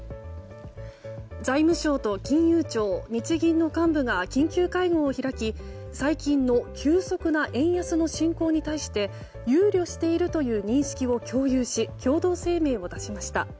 財務省と金融庁、日銀の幹部が緊急会合を開き最近の急速な円安の進行に対して憂慮しているという認識を共有し共同声明を出しました。